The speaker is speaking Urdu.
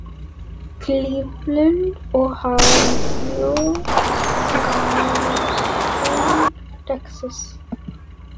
Cleveland Ohio گارینڈ Texas